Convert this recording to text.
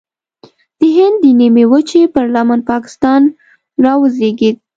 د هند د نیمې وچې پر لمن پاکستان راوزېږید.